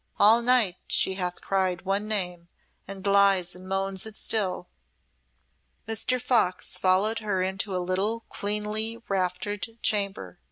All night she hath cried one name, and lies and moans it still." Mr. Fox followed her into a little cleanly, raftered chamber.